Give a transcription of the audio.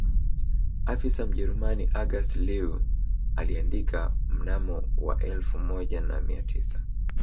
Afisa Mjerumani August Leue aliandika mnamo wa elfu moja na mia tisa